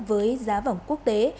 với giá vàng quốc tế